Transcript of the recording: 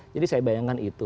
jadi saya bayangkan itu